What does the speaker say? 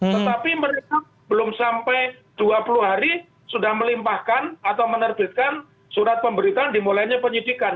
tetapi mereka belum sampai dua puluh hari sudah melimpahkan atau menerbitkan surat pemberitaan dimulainya penyidikan